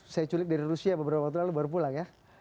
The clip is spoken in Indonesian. saya culik dari rusia beberapa waktu lalu baru pulang ya